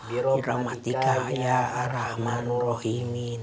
birahmatika ya arhamarrahimin